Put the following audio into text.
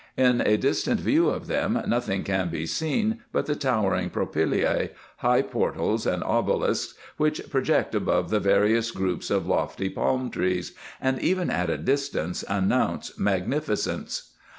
In a distant view of them nothing can be seen but the towering pro pylasa, high portals, and obelisks, which project above the various groups of lofty palm trees, and even at a distance announce mag nificence.